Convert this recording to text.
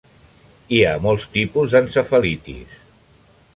Hi ha molts tipus d'encefalitis.